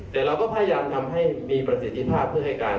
แต่เราก็พยายามทำให้มีประสิทธิภาพ